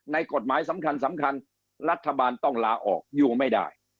ในกฎหมายสำคัญรัฐบาลต้องลาออกยูไม่ได้